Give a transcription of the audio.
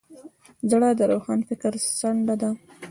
زړه د روښان فکر څنډه ده.